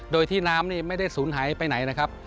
โดยที่น้ำนี่ไม่ได้สูญหายไปไหนนะครับ